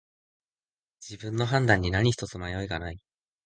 自分の判断に何ひとつ迷いがない